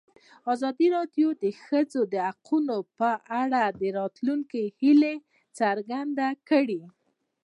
ازادي راډیو د د ښځو حقونه په اړه د راتلونکي هیلې څرګندې کړې.